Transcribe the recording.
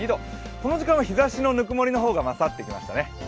この時間は日差しのぬくもりの方が勝ってきましたね。